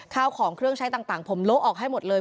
ข้าวของเครื่องใช้ต่างผมโละออกให้หมดเลย